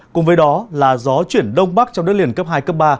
cùng với đó là gió chuyển đông bắc trong đất liền cấp hai cấp ba